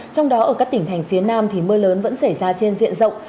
trong đó ở các tỉnh thành phía nam mưa lớn vẫn xảy ra trên diện rộng